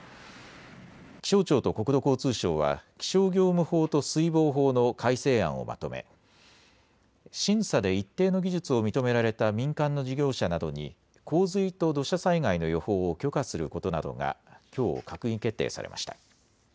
気象庁と国土交通省は気象業務法と水防法の改正案をまとめ審査で一定の技術を認められた民間の事業者などに洪水と土砂災害の予報を許可することなどがきょう閣議決定されました。